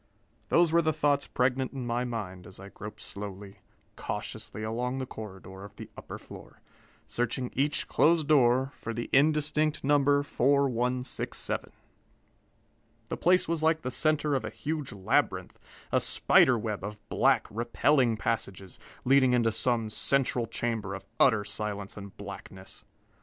Those were the thoughts pregnant in my mind as I groped slowly, cautiously along the corridor of the upper floor, searching each closed door for the indistinct number 4167. The place was like the center of a huge labyrinth, a spider web of black, repelling passages, leading into some central chamber of utter silence and blackness.